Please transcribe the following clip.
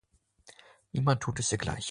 Niemand tut es ihr gleich.